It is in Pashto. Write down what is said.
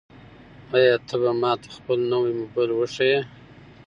آیا ته به ماته خپل نوی موبایل وښایې؟